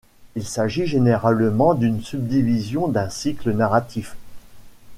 Il s'agit généralement d'une subdivision d'un cycle narratif.